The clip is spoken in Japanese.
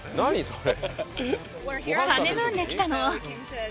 それ。